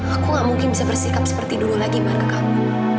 aku gak mungkin bisa bersikap seperti dulu lagi biar ke kamu